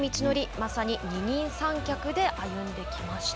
まさに二人三脚で歩んできました。